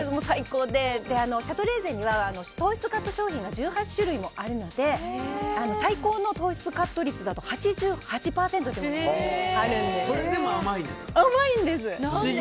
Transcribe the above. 最高でシャトレーゼには糖質カット商品が１８種類もあるので最高の糖質カット率だとそれでも甘いんですか？